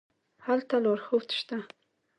هلته لارښود شته.